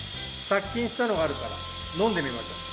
殺菌したのがあるからのんでみましょう。